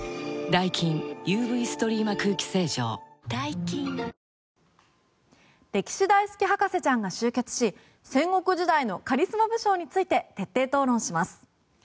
北日本には歴史大好き博士ちゃんが集結し戦国時代のカリスマ武将について徹底討論します。